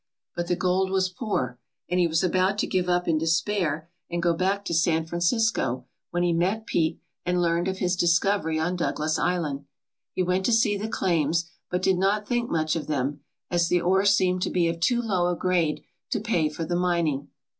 But the gold was poor, and he was about to give up in despair and go back to San Francisco when he met Pete and learned of his discovery on Douglas Island. He went to see the claims, but did not think much of them, as the ore seemed to be of too low a grade to pay for the mining.